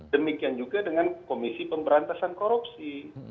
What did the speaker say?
demikian juga dengan komisi pemberantasan korupsi